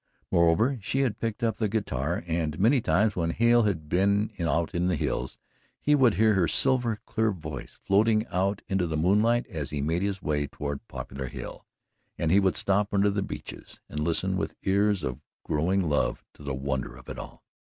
Moreover she had picked up the guitar, and many times when Hale had been out in the hills, he would hear her silver clear voice floating out into the moonlight as he made his way toward Poplar Hill, and he would stop under the beeches and listen with ears of growing love to the wonder of it all.